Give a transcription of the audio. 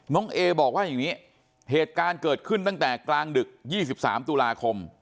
เอบอกว่าอย่างนี้เหตุการณ์เกิดขึ้นตั้งแต่กลางดึก๒๓ตุลาคม